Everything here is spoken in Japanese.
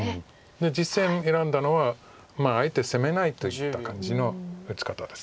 実戦選んだのはあえて攻めないといった感じの打ち方です。